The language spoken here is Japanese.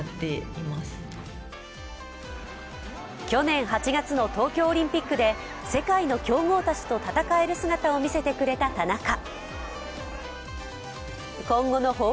去年８月の東京オリンピックで世界の強豪たちと戦える姿を見せてくれた田中。